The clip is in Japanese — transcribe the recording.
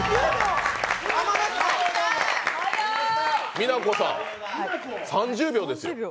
美奈子さん、３０秒ですよ？